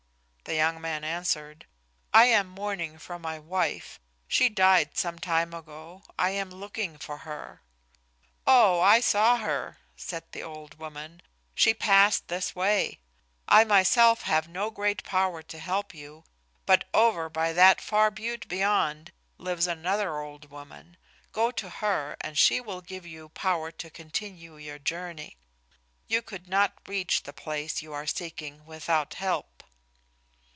The young man answered, "I am mourning for my wife. She died some time ago. I am looking for her." "Oh, I saw her," said the old woman; "she passed this way. I myself have no great power to help you, but over by that far butte beyond, lives another old woman. Go to her and she will give you power to continue your journey. You could not reach the place you are seeking without help.